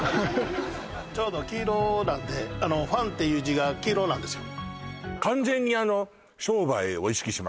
ちょうど黄色なんで「黄」っていう字が黄色なんですよ